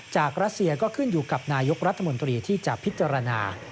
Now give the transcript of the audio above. รัสเซียก็ขึ้นอยู่กับนายกรัฐมนตรีที่จะพิจารณา